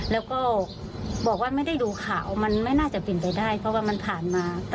แล้วก็บอกว่าไม่ได้ดูข่าวมันไม่น่าจะเป็นไปได้เพราะว่ามันผ่านมา